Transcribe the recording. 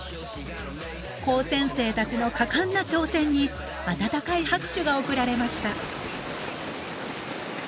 高専生たちの果敢な挑戦に温かい拍手が送られました。